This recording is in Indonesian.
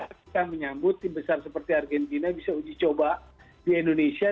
kita menyambut tim besar seperti argentina bisa uji coba di indonesia